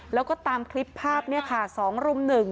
แล้วก็ตามคลิปภาพเนี่ยค่ะ๒รุ่มหนึ่ง